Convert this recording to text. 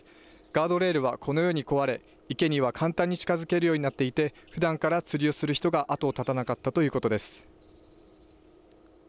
ガードレールはこのように壊れ池には簡単に近づけるようになっていてふだんから釣りをする人が後を絶たなかったということです。